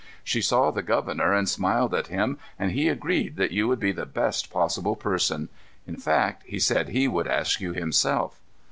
She saw the governor and smiled at him, and he agreed that you would be the best possible person. In fact, he said he would ask you himself."